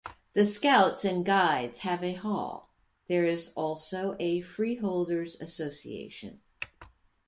The scouts and guides have a hall; there is also a Freeholders' Association.